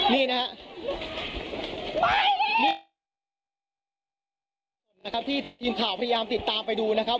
นี่นะครับที่ทีมข่าวพยายามติดตามไปดูนะครับ